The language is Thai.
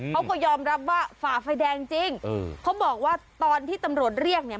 เขาก็ยอมรับว่าฝ่าไฟแดงจริงเขาบอกว่าตอนที่ตำรวจเรียกเนี่ย